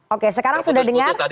oke sekarang sudah dengar